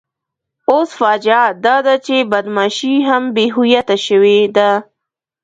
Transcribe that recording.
اوس فاجعه داده چې بدماشي هم بې هویته شوې ده.